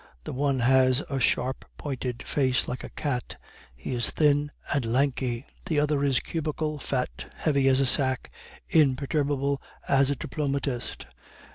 The one has a sharp pointed face like a cat, he is thin and lanky; the other is cubical, fat, heavy as a sack, imperturbable as a diplomatist.